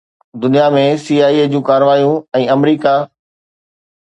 دنيا ۾ C I A جون ڪارروايون ۽ آمريڪا